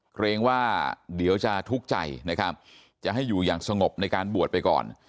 เกรงว่าเดี๋ยวจะทุกข์ใจนะครับจะให้อยู่อย่างสงบในการบวชไปก่อน